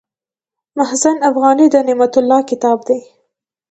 مخزن افغاني د نعمت الله کتاب دﺉ.